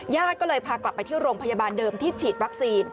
ญาติก็เลยพากลับไปที่โรงพยาบาลเดิมที่ฉีดวัคซีน